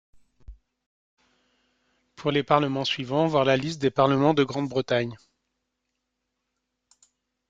Pour les Parlements suivants, voir la Liste des Parlements de Grande-Bretagne.